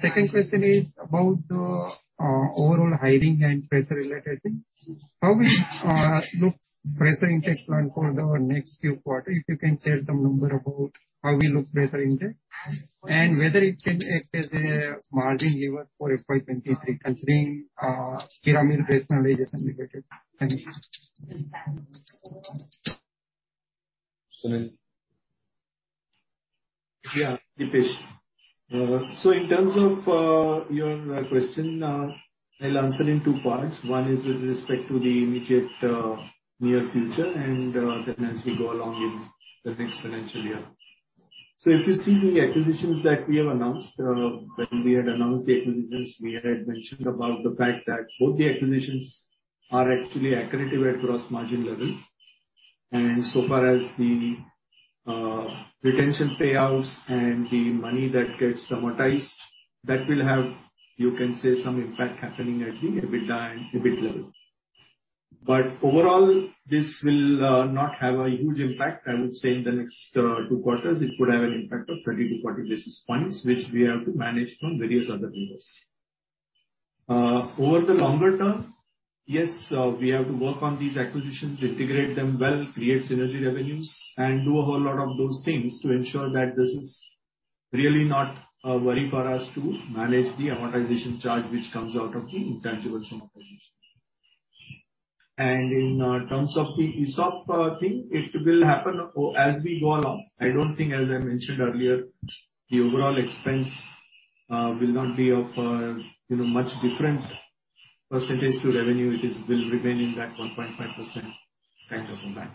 Second question is about the overall hiring and fresher related thing. How we look fresher intake plan for the next few quarter? If you can share some number about how we look fresher intake and whether it can act as a margin lever for FY 2023, considering pyramid-based realization related. Thank you. Sunil? Yeah, Dipesh. In terms of your question, I'll answer in two parts. One is with respect to the immediate near future and then as we go along in the next financial year. If you see the acquisitions that we have announced, when we had announced the acquisitions, we had mentioned about the fact that both the acquisitions are actually accretive at gross margin level. As far as the retention payouts and the money that gets amortized, that will have, you can say, some impact happening at the EBITDA and EBIT level. Overall, this will not have a huge impact, I would say, in the next two quarters. It would have an impact of 20-40 basis points, which we have to manage from various other levers. Over the longer term, yes, we have to work on these acquisitions, integrate them well, create synergy revenues and do a whole lot of those things to ensure that this is really not a worry for us to manage the amortization charge which comes out of the intangible from acquisitions. In terms of the ESOP thing, it will happen as we go along. I don't think, as I mentioned earlier, the overall expense will not be of you know much different percentage to revenue. It will remain in that 1.5% kind of a mark.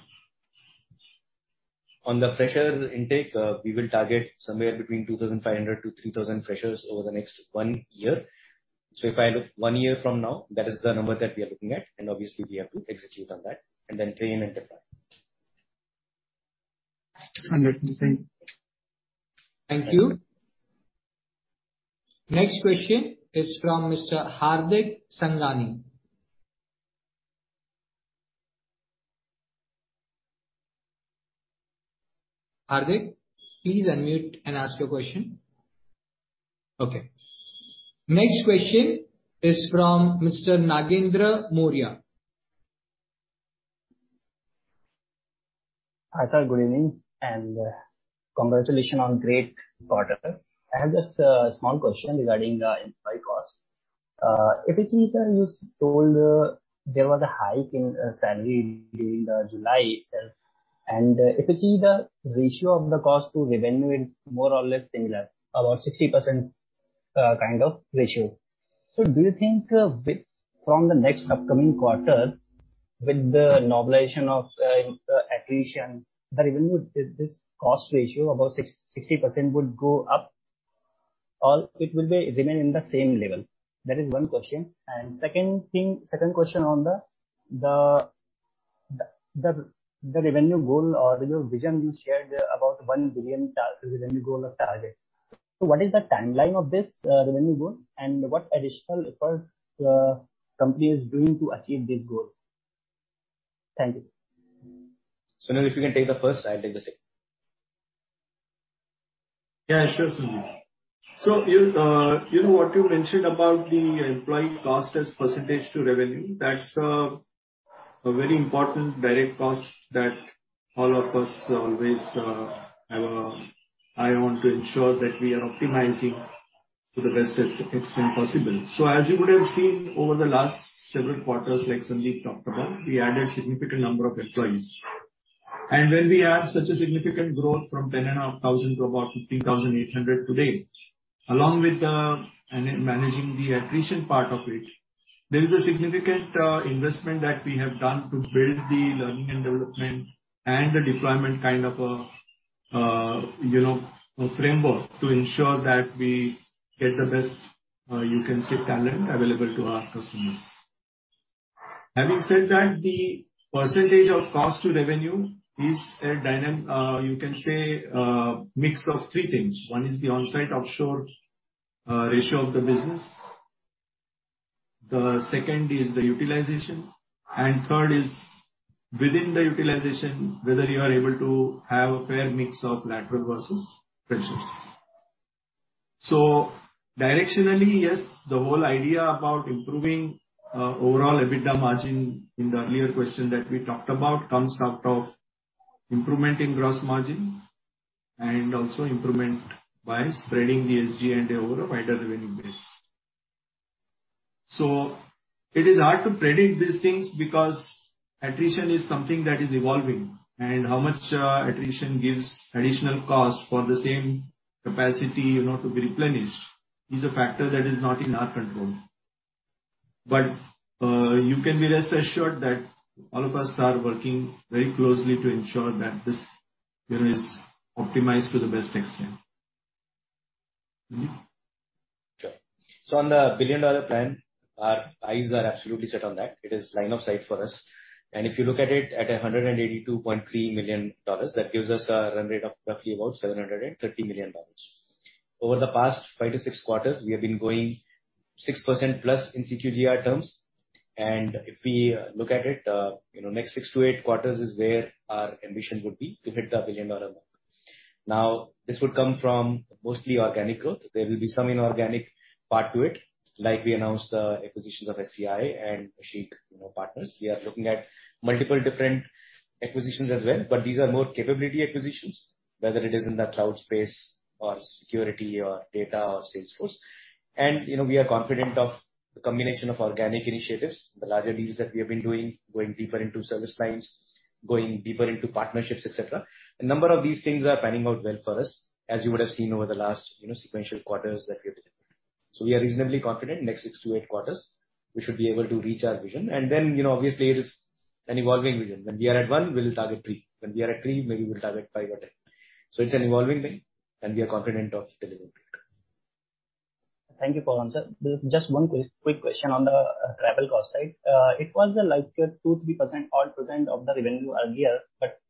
On the fresher intake, we will target somewhere between 2,500-3,000 freshers over the next one year. If I look one year from now, that is the number that we are looking at, and obviously we have to execute on that, then train and deploy. Understood. Thank you. Thank you. Next question is from Mr. Hardik Sangani. Hardik, please unmute and ask your question. Okay. Next question is from Mr. Nagendra Morya. Hi, sir. Good evening, and congratulations on great quarter. I have just a small question regarding the employee costs. If you see, sir, you told there was a hike in salary during the July itself. If you see the ratio of the cost to revenue is more or less similar, about 60%, kind of ratio. Do you think from the next upcoming quarter, with the normalization of the attrition, the revenue, this cost ratio, about 60% will go up? Or it will remain in the same level? That is one question. Second thing, second question on the revenue goal or revenue vision you shared about $1 billion revenue goal or target. What is the timeline of this revenue goal and what additional effort company is doing to achieve this goal? Thank you. Sunil, if you can take the first, I'll take the second. Yeah, sure, Sandeep. You know what you mentioned about the employee cost as percentage of revenue. That's a very important direct cost that all of us always have an eye on to ensure that we are optimizing to the best extent possible. As you would have seen over the last several quarters, like Sandeep talked about, we added significant number of employees. When we have such a significant growth from 10,500 to about 15,800 today, along with the managing the attrition part of it, there is a significant investment that we have done to build the learning and development and the deployment kind of a framework to ensure that we get the best talent available to our customers. Having said that, the percentage of cost to revenue is a dynamic mix of three things. One is the onsite-offshore ratio of the business. The second is the utilization. Third is within the utilization, whether you are able to have a fair mix of lateral versus freshers. Directionally, yes, the whole idea about improving overall EBITDA margin in the earlier question that we talked about comes out of improvement in gross margin and also improvement by spreading the SG&A over a wider revenue base. It is hard to predict these things because attrition is something that is evolving, and how much attrition gives additional cost for the same capacity, you know, to be replenished is a factor that is not in our control. You can be rest assured that all of us are working very closely to ensure that this, you know, is optimized to the best extent. Sandeep? Sure. On the billion-dollar plan, our eyes are absolutely set on that. It is line of sight for us. If you look at it at $182.3 million, that gives us a run rate of roughly about $730 million. Over the past five to six quarters, we have been growing 6%+ in QoQ terms. If we look at it, you know, next six to eight quarters is where our ambition would be to hit the billion-dollar mark. Now, this would come from mostly organic growth. There will be some inorganic part to it, like we announced the acquisitions of SCI and Shree Partners, you know. We are looking at multiple different acquisitions as well, but these are more capability acquisitions, whether it is in the cloud space or security or data or Salesforce. You know, we are confident of the combination of organic initiatives, the larger deals that we have been doing, going deeper into service lines, going deeper into partnerships, et cetera. A number of these things are panning out well for us, as you would have seen over the last, you know, sequential quarters that we have delivered. We are reasonably confident next six to eight quarters we should be able to reach our vision. You know, obviously it is an evolving vision. When we are at one, we'll target three. When we are at three, maybe we'll target five or 10. It's an evolving thing and we are confident of delivering it. Thank you for answer. There's just one quick question on the travel cost side. It was like 2%-3%, odd percent of the revenue earlier, but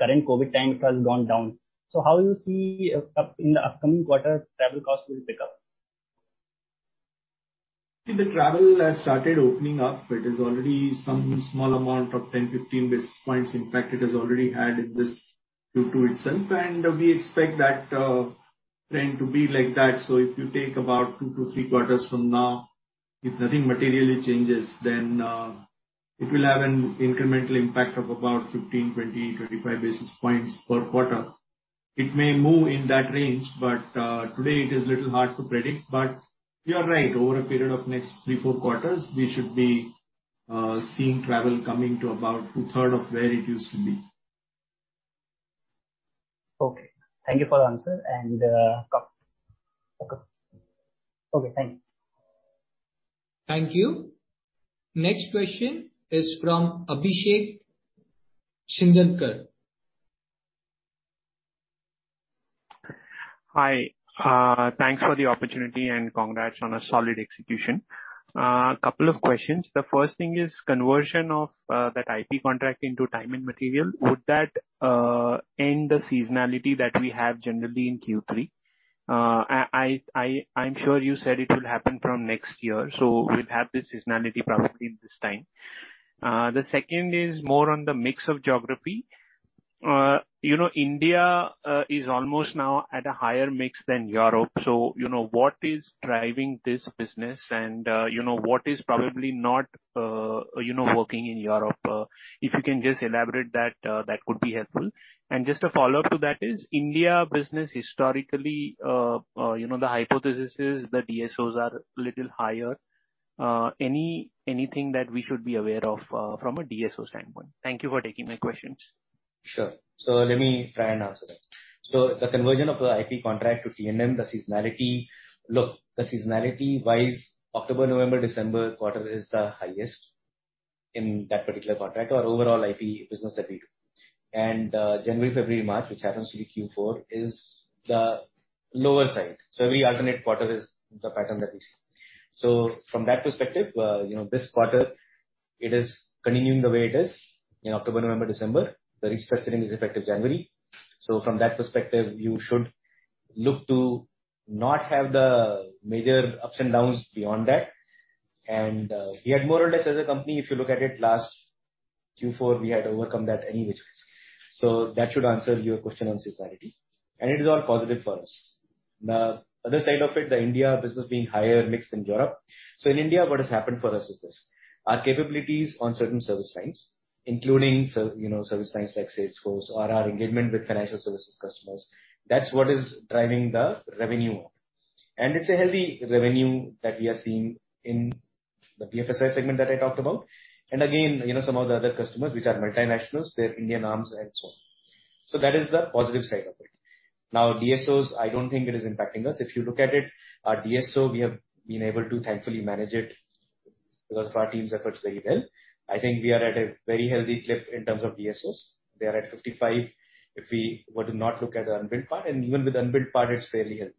current COVID time it has gone down. How you see up in the upcoming quarter travel costs will pick up? See, the travel has started opening up. It is already some small amount of 10, 15 basis points. In fact, it has already added this to itself, and we expect that trend to be like that. If you take about two to three quarters from now, if nothing materially changes, then it will have an incremental impact of about 15, 20, 25 basis points per quarter. It may move in that range, but today it is a little hard to predict. You are right, over a period of next three, four quarters, we should be seeing travel coming to about two-thirds of where it used to be. Okay. Thank you. Thank you. Next question is from Abhishek Shindadkar. Hi. Thanks for the opportunity and congrats on a solid execution. Couple of questions. The first thing is conversion of that IP contract into time and material. Would that end the seasonality that we have generally in Q3? I'm sure you said it will happen from next year, so we'll have this seasonality probably in this time. The second is more on the mix of geography. You know, India is almost now at a higher mix than Europe. So, you know, what is driving this business and, you know, what is probably not working in Europe? If you can just elaborate that would be helpful. Just a follow-up to that is India business historically, you know, the hypothesis is the DSOs are little higher. Anything that we should be aware of from a DSO standpoint? Thank you for taking my questions. Sure. Let me try and answer that. The conversion of the IP contract to T&M, the seasonality. Look, the seasonality-wise, October, November, December quarter is the highest in that particular contract or overall IP business that we do. January, February, March, which happens to be Q4, is the lower side. Every alternate quarter is the pattern that we see. From that perspective, you know, this quarter it is continuing the way it is in October, November, December. The restructuring is effective January. From that perspective, you should look to not have the major ups and downs beyond that. We had more or less as a company, if you look at it last Q4, we had overcome that any which ways. That should answer your question on seasonality. It is all positive for us. The other side of it, the India business being higher mixed than Europe. In India, what has happened for us is this. Our capabilities on certain service lines, including you know, service lines like Salesforce or our engagement with financial services customers, that's what is driving the revenue up. It's a healthy revenue that we are seeing in the BFSI segment that I talked about. Again, you know, some of the other customers which are multinationals, their Indian arms and so on. That is the positive side of it. Now, DSOs, I don't think it is impacting us. If you look at it, our DSO, we have been able to thankfully manage it because of our team's efforts very well. I think we are at a very healthy clip in terms of DSOs. We are at 55 if we were to not look at the unbilled part, and even with unbilled part, it's fairly healthy.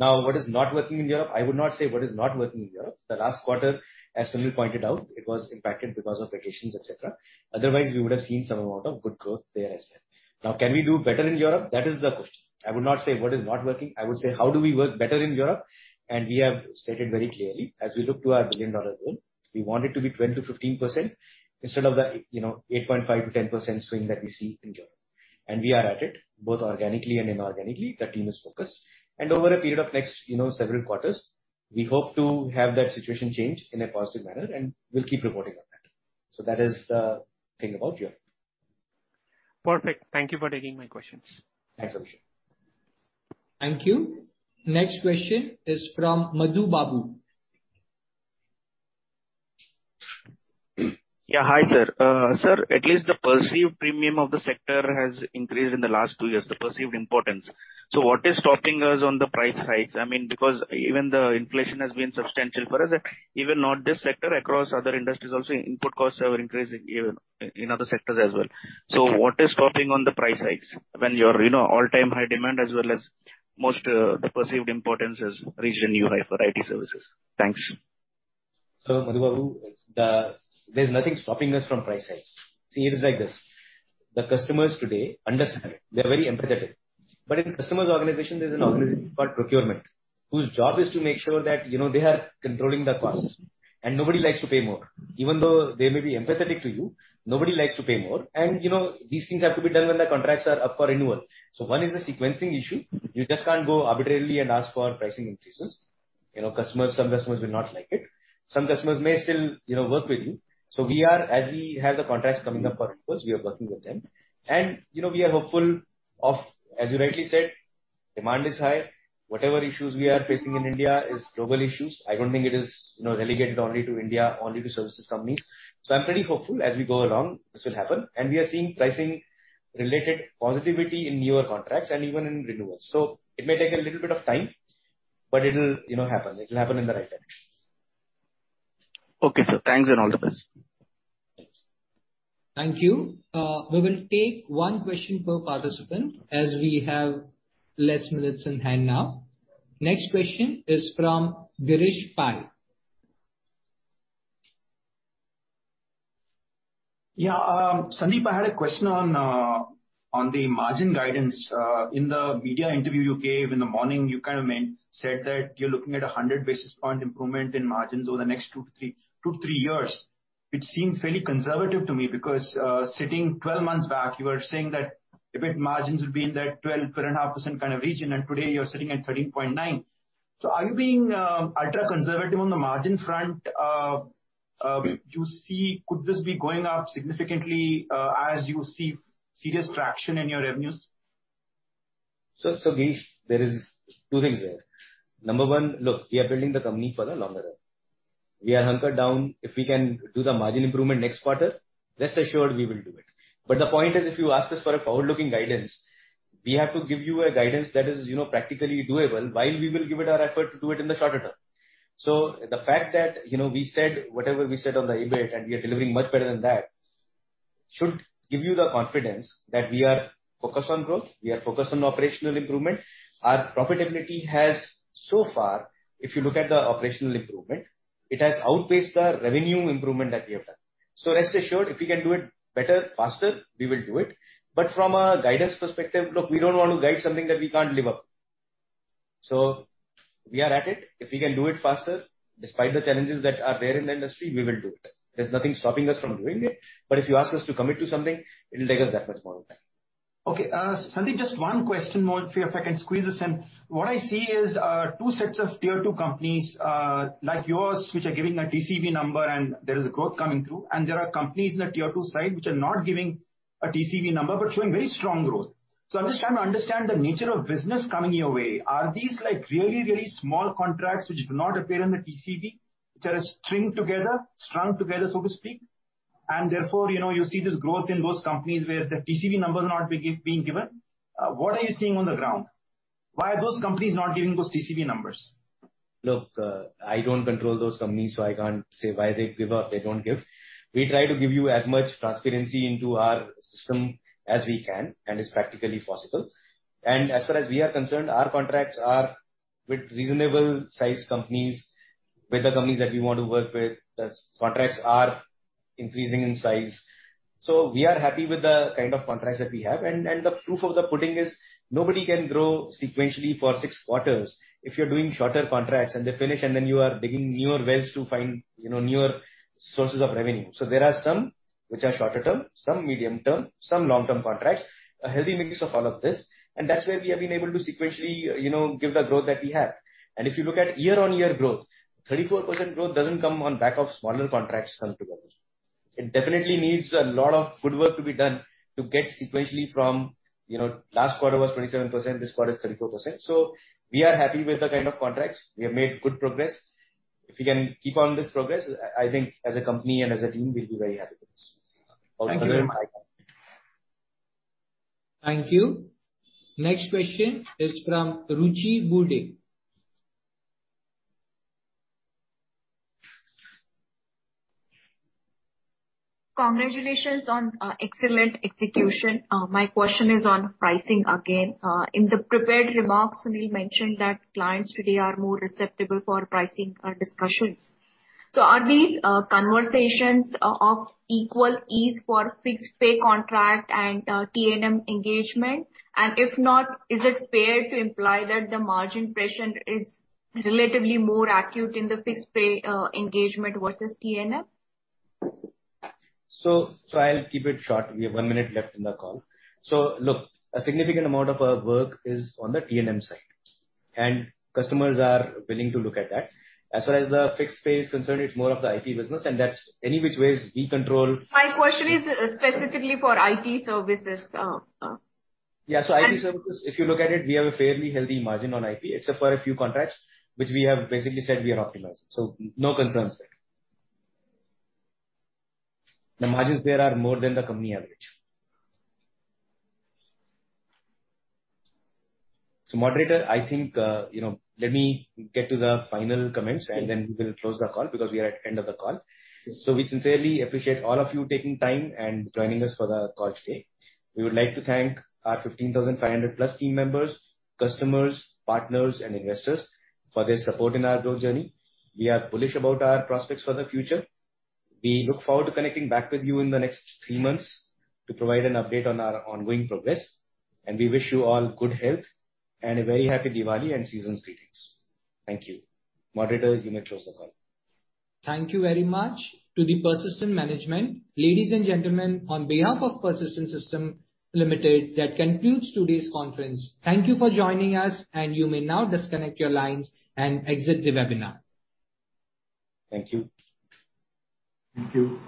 Now, what is not working in Europe? I would not say what is not working in Europe. The last quarter, as Sunil pointed out, it was impacted because of vacations, et cetera. Otherwise, we would have seen some amount of good growth there as well. Now, can we do better in Europe? That is the question. I would not say what is not working. I would say how do we work better in Europe? We have stated very clearly as we look to our billion-dollar goal, we want it to be 10%-15% instead of the, you know, 8.5%-10% swing that we see in Europe. We are at it both organically and inorganically. The team is focused. Over a period of next, you know, several quarters, we hope to have that situation change in a positive manner and we'll keep reporting on that. That is the thing about Europe. Perfect. Thank you for taking my questions. Thanks, Abhishek. Thank you. Next question is from Madhu Babu. Yeah. Hi, sir. Sir, at least the perceived premium of the sector has increased in the last two years, the perceived importance. What is stopping us on the price hikes? I mean, because even the inflation has been substantial for us. Even not this sector, across other industries also input costs have increased even in other sectors as well. What is stopping on the price hikes when you're, you know, all-time high demand as well as most, the perceived importance has reached a new high for IT services. Thanks. Madhu Babu, there's nothing stopping us from price hikes. See, it is like this. The customers today understand, they're very empathetic. In customers' organization, there's an organization called procurement, whose job is to make sure that, you know, they are controlling the costs. Nobody likes to pay more. Even though they may be empathetic to you, nobody likes to pay more. You know, these things have to be done when the contracts are up for renewal. One is a sequencing issue. You just can't go arbitrarily and ask for pricing increases. You know, customers, some customers will not like it. Some customers may still, you know, work with you. We are, as we have the contracts coming up for renewals, we are working with them. You know, we are hopeful of, as you rightly said, demand is high. Whatever issues we are facing in India is global issues. I don't think it is, you know, relegated only to India, only to services companies. I'm pretty hopeful as we go along this will happen. We are seeing pricing-related positivity in newer contracts and even in renewals. It may take a little bit of time, but it'll, you know, happen. It'll happen in the right time. Okay, sir. Thanks and all the best. Thank you. We will take one question per participant as we have less minutes in hand now. Next question is from Girish Pai. Yeah. Sandeep, I had a question on the margin guidance. In the media interview you gave in the morning, you said that you're looking at 100 basis points improvement in margins over the next two to three years, which seems fairly conservative to me because, sitting 12 months back, you were saying that EBIT margins would be in that 12.5% kind of region, and today you're sitting at 13.9%. Are you being ultra-conservative on the margin front? Do you see... Could this be going up significantly, as you see serious traction in your revenues? Girish, there is two things there. Number one, look, we are building the company for the longer run. We are hunkered down. If we can do the margin improvement next quarter, rest assured we will do it. The point is, if you ask us for a forward-looking guidance, we have to give you a guidance that is, you know, practically doable while we will give it our effort to do it in the shorter term. The fact that, you know, we said whatever we said on the EBIT, and we are delivering much better than that, should give you the confidence that we are focused on growth, we are focused on operational improvement. Our profitability has, so far, if you look at the operational improvement, it has outpaced the revenue improvement that we have done. Rest assured, if we can do it better, faster, we will do it. From a guidance perspective, look, we don't want to guide something that we can't live up. We are at it. If we can do it faster, despite the challenges that are there in the industry, we will do it. There's nothing stopping us from doing it. If you ask us to commit to something, it'll take us that much more time. Okay. Sandeep, just one question more if I can squeeze this in. What I see is two sets of tier two companies like yours which are giving a TCV number and there is growth coming through, and there are companies in the tier two side which are not giving a TCV number but showing very strong growth. I'm just trying to understand the nature of business coming your way. Are these like really, really small contracts which do not appear in the TCV, which are strung together, so to speak, and therefore, you know, you see this growth in those companies where the TCV number is not being given? What are you seeing on the ground? Why are those companies not giving those TCV numbers? Look, I don't control those companies, so I can't say why they give or they don't give. We try to give you as much transparency into our system as we can and is practically possible. As far as we are concerned, our contracts are with reasonable-sized companies. We're the companies that we want to work with. Thus, contracts are increasing in size. We are happy with the kind of contracts that we have. The proof of the pudding is nobody can grow sequentially for six quarters if you're doing shorter contracts and they finish and then you are digging newer wells to find, you know, newer sources of revenue. There are some which are shorter term, some medium term, some long-term contracts, a healthy mix of all of this, and that's where we have been able to sequentially, you know, give the growth that we have. If you look at year-on-year growth, 34% growth doesn't come on back of smaller contracts come together. It definitely needs a lot of footwork to be done to get sequentially from, you know, last quarter was 27%, this quarter is 34%. We are happy with the kind of contracts. We have made good progress. If we can keep on this progress, I think as a company and as a team we'll be very happy with this. Thank you very much. Thank you. Next question is from Ruchi Burde. Congratulations on excellent execution. My question is on pricing again. In the prepared remarks, Sunil mentioned that clients today are more susceptible for pricing discussions. Are these conversations of equal ease for fixed fee contract and T&M engagement? If not, is it fair to imply that the margin pressure is relatively more acute in the fixed fee engagement versus T&M? I'll keep it short. We have one minute left in the call. Look, a significant amount of our work is on the T&M side, and customers are willing to look at that. As far as the fixed pay is concerned, it's more of the IT business, and that's any which ways we control. My question is specifically for IT services. Yeah. And. IT services, if you look at it, we have a fairly healthy margin on IT except for a few contracts which we have basically said we are optimizing. No concerns there. The margins there are more than the company average. Moderator, I think, let me get to the final comments. Yes. We will close the call because we are at end of the call. We sincerely appreciate all of you taking time and joining us for the call today. We would like to thank our 15,000+ team members, customers, partners, and investors for their support in our growth journey. We are bullish about our prospects for the future. We look forward to connecting back with you in the next three months to provide an update on our ongoing progress, and we wish you all good health and a very happy Diwali and season's greetings. Thank you. Moderator, you may close the call. Thank you very much to the Persistent management. Ladies and gentlemen, on behalf of Persistent Systems Limited, that concludes today's conference. Thank you for joining us, and you may now disconnect your lines and exit the webinar. Thank you. Thank you.